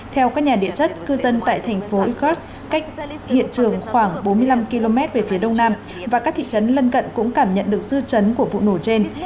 theo các nhà địa chất cư dân tại thành phố ikos cách hiện trường khoảng bốn mươi năm km về phía đông nam và các thị trấn lân cận cũng cảm nhận được dư chấn của vụ nổ trên